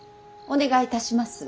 お願いいたします。